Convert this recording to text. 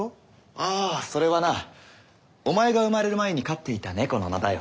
ああそれはなお前が生まれる前に飼っていた猫の名だよ。